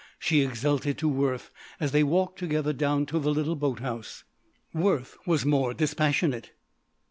she exulted to Worth as they walked together down to the little boat house. Worth was more dispassionate.